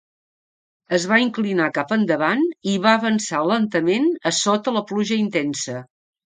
Es va inclinar cap endavant i va avançar lentament a sota la pluja intensa.